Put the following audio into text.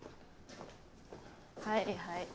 はいはい。